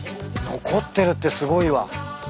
残ってるってすごいわ。